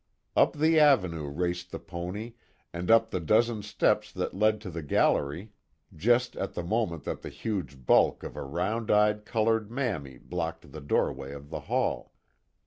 Up the avenue raced the pony and up the dozen steps that led to the gallery, just at the moment that the huge bulk of a round eyed colored "mammy" blocked the doorway of the hall.